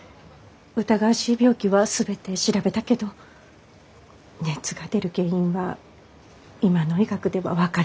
疑わしい病気は全て調べたけど熱が出る原因は今の医学では分からないって。